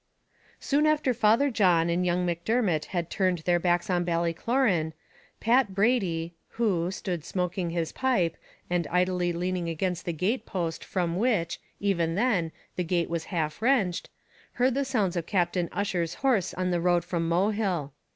Soon after Father John and young Macdermot had turned their backs on Ballycloran, Pat Brady, who, stood smoking his pipe, and idly leaning against the gate post from which, even then, the gate was half wrenched, heard the sounds of Captain Ussher's horse on the road from Mohill.